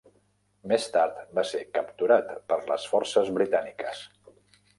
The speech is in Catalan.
Més tard va ser capturat per les forces britàniques.